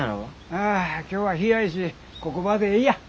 ああ今日はひやいしここばでえいや。